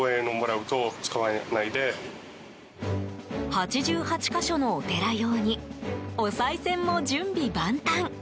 ８８か所のお寺用におさい銭も準備万端。